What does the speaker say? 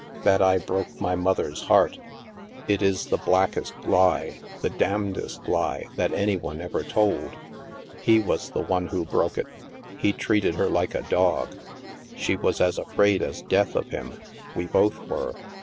" That I broke my mother's heart. It is the blackest lie, 94 THE MASK the damnedest He, that any one ever told. He was the one who broke it. He treated her like a dog. She was as afraid as death of him. We both were.